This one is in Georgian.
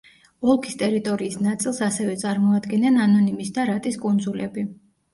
ოლქის ტერიტორიის ნაწილს ასევე წარმოადგენენ ანონიმის და რატის კუნძულები.